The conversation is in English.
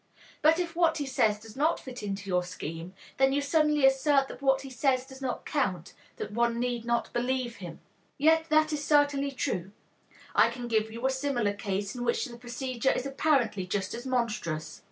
But if what he says does not fit into your scheme, then you suddenly assert that what he says does not count, that one need not believe him." Yet that is certainly true. I can give you a similar case in which the procedure is apparently just as monstrous.